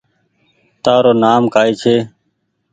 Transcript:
تآرو نآم ڪائي ڇي